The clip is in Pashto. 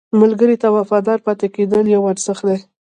ملګری ته وفادار پاتې کېدل یو ارزښت دی